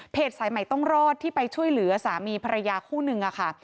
สายใหม่ต้องรอดที่ไปช่วยเหลือสามีภรรยาคู่นึงค่ะ